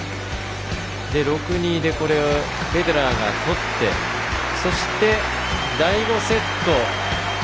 ６−２で、フェデラーが取ってそして、第５セット。